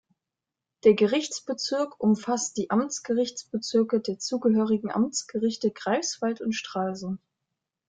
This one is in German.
Der Gerichtsbezirk umfasst die Amtsgerichtsbezirke der zugehörigen Amtsgerichte Greifswald und Stralsund.